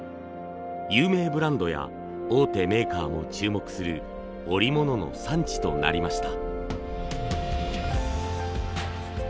有名ブランドや大手メーカーも注目する織物の産地となりました。